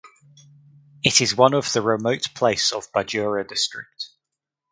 It is one of the remote place of Bajura District.